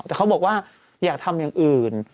แต่เขาบอกว่าอยากทำอย่างอื่น